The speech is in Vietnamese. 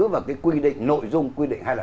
và cái quy định nội dung quy định hai mươi năm